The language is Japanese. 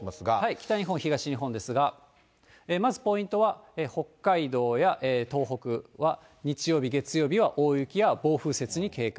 北日本、西日本ですが、まずポイントは、北海道や東北は、日曜日、月曜日は大雪や暴風雪に警戒。